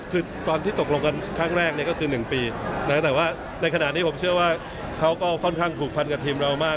คือตอนที่ตกลงกันครั้งแรกเนี่ยก็คือ๑ปีแต่ว่าในขณะนี้ผมเชื่อว่าเขาก็ค่อนข้างผูกพันกับทีมเรามาก